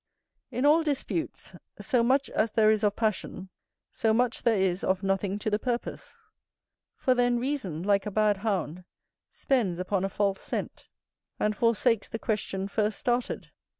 In all disputes, so much as there is of passion, so much there is of nothing to the purpose; for then reason, like a bad hound, spends upon a false scent, and forsakes the question first started.